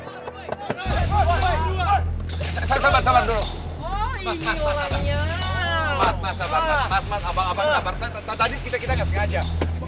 tidak tidak tidak